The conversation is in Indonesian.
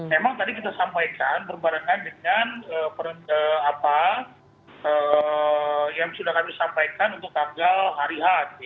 memang tadi kita sampaikan berbarengan dengan yang sudah kami sampaikan untuk tanggal hari h